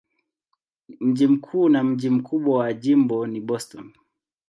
Mji mkuu na mji mkubwa wa jimbo ni Boston.